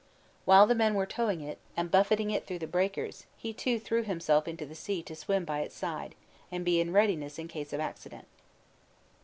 While the men were towing it, and buffeting with it through the breakers, he too threw himself into the sea to swim by its side, and be in readiness in case of accident.